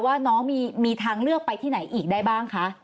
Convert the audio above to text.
ว่าน้องมีทางเลือกไปที่ไหนอีกได้บ้างคะ